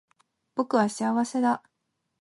僕は幸せだ